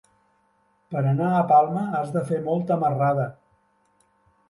Per anar a Palma has de fer molta marrada.